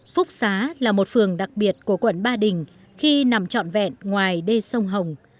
phúc xá là một phường đặc biệt của quận ba đình khi nằm trọn vẹn ngoài đê sông hồng